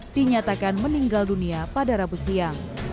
dinyatakan meninggal dunia pada rabu siang